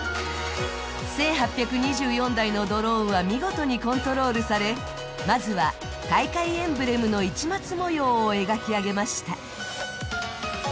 １８２４台のドローンは見事にコントロールされ、まずは大会エンブレムの市松模様を描き上げました。